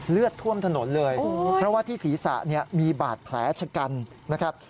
เลือดท่วมถนนเลยเพราะว่าที่ศีรษะเนี่ยมีบาดแผลชะกันนะครับ